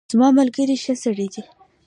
زما ملګری ښه سړی دی.